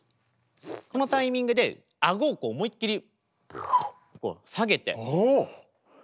このタイミングであごを思いっきり下げて。